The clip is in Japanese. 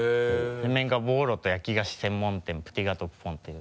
店名が「ボーロと焼き菓子専門店プティガトープポン」という。